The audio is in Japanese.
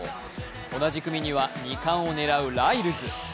同じ組には２冠を狙うライルズ。